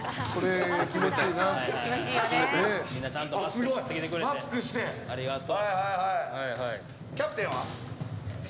みんなちゃんと集まってきてくれてありがとう。